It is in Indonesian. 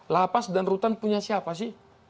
la paz dan rutan punya siapa sih